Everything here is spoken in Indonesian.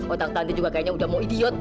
otak tante juga kayaknya udah mau idiot